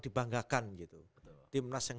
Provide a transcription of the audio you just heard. dibanggakan gitu timnas yang